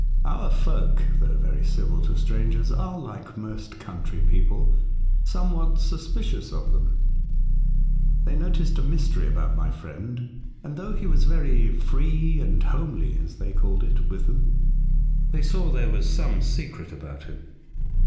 Our folk, though very civil to strangers, are, like most country people, somewhat suspicious of them. They noticed a mystery about my friend, and, though he was very 'free and homely ' (as they called it) with them, they saw there was some secret about him.